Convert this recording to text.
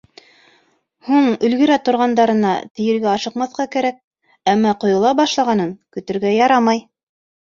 Һуң өлгөрә торғандарына тейергә ашыҡмаҫҡа кәрәк, әммә ҡойола башлағанын көтөргә ярамай.